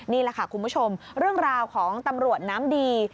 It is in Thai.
นี่แหละค่ะคุณผู้ชมเรื่องราวของตำรวจน้ำดี